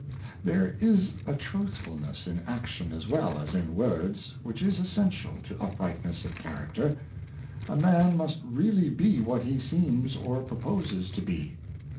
There is a truthfulness in action as well as in words, which is essential to uprightness of character. A man must really be what he seems or proposes to be.